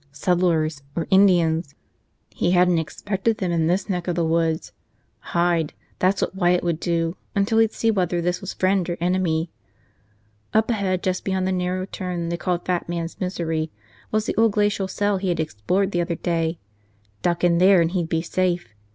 Settlers. Or Indians. He hadn't expected them in this neck of the woods. Hide, that's what Wyatt would do, until he'd see whether this was friend or enemy. Up ahead, just beyond the narrow turn they called Fat Man's Misery, was the old glacial cell he had explored the other day. Duck in there and he'd be safe.